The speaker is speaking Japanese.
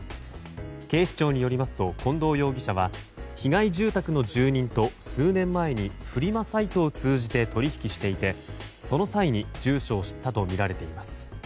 警視庁によりますと近藤容疑者は被害住宅の住人と数年前にフリマサイトを通じて取引していてその際に住所を知ったとみられています。